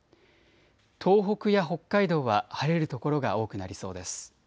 東北や北海道は晴れる所が多くなりそうです。